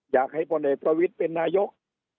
อยากให้ผลเอกประวิทธ์เป็นนายก